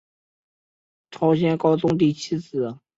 朝鲜高宗第七子。